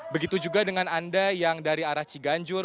begitu juga dengan anda yang dari arah ciganjur